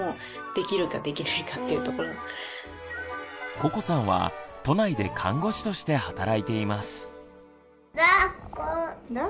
ここさんは都内で看護師として働いています。